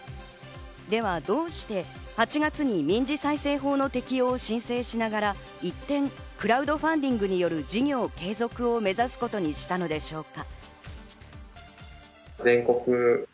では、どうして８月に民事再生法の適用を申請しながら一転、クラウドファンディングによる事業継続を目指すことにしたのでしょうか？